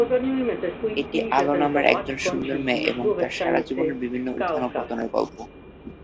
এটি আলো নামের একজন সুন্দর মেয়ে এবং তার সারা জীবনের বিভিন্ন উত্থান ও পতনের গল্প।